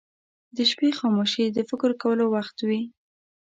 • د شپې خاموشي د فکر کولو وخت وي.